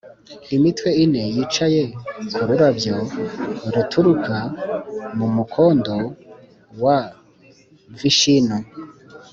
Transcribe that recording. imitwe ine yicaye ku rurabyo ruturuka mu mukondo wa vishinu